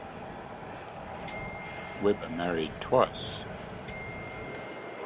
Weber married twice.